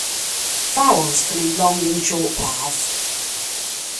Vowels come in long and short pairs.